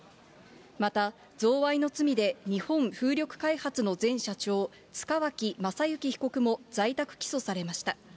また、贈賄の罪で日本風力開発の前社長、塚脇正幸被告も在宅起訴されました。